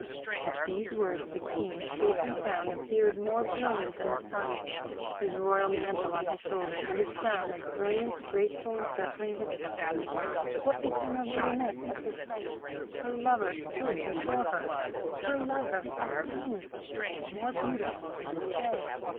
At these words the King, safe and sound, appeared more brilliant than the sun, his royal mantle on his shoulders, and his crown of brilliants gracefully encircling his temples. What became of Lionette at this sight? Her lover stood before her her lover a king, and more beautiful than the day!